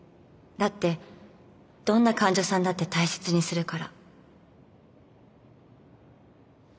だってどんな患者さんだって大切にするから。